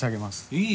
いい？